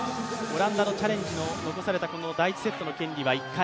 オランダのチャレンジの残された第１セットの権利は１回。